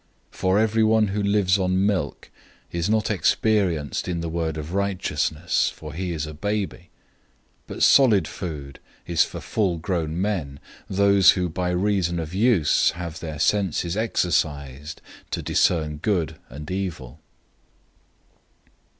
005:013 For everyone who lives on milk is not experienced in the word of righteousness, for he is a baby. 005:014 But solid food is for those who are full grown, who by reason of use have their senses exercised to discern good and evil.